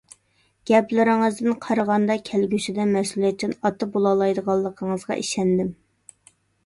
گەپلىرىڭىزدىن قارىغاندا كەلگۈسىدە مەسئۇلىيەتچان ئاتا بولالايدىغانلىقىڭىزغا ئىشەندىم.